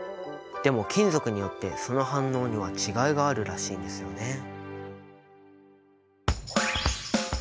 でも金属によってその反応には違いがあるらしいんですよね。